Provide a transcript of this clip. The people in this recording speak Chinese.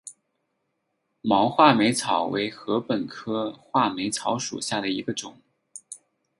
毛画眉草为禾本科画眉草属下的一个种。